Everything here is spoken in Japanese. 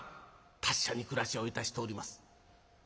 「達者に暮らしをいたしております」。